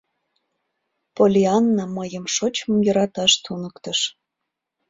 Поллианна мыйым шочмым йӧраташ туныктыш.